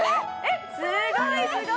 すごい、すごい。